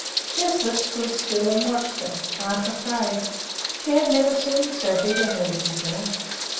Lisbeth stood still and watched them, half afraid. She had never seen so big a herd before.